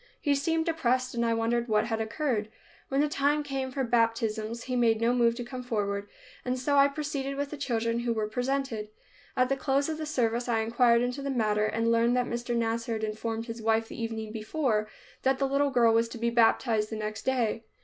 He seemed depressed and I wondered what had occurred. When the time came for baptisms he made no move to come forward and so I proceeded with the children who were presented. At the close of the service I inquired into the matter, and learned that Mr. Nasser had informed his wife the evening before that the little girl was to be baptized the next day.